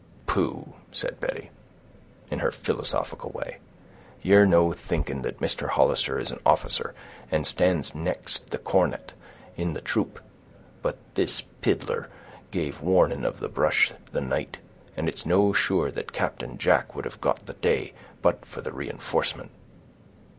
"Pooh!" said Betty, in her philosophical way; "ye're no thinking that Mister Hollister is an officer, and stands next the cornet, in the troop. But this piddler gave warning of the brush the night, and it's no sure that Captain Jack would have got the day, but for the reënforcement."